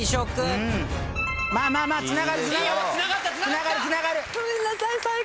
つながるつながる。